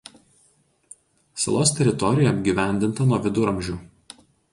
Salos teritorija apgyvendinta nuo viduramžių.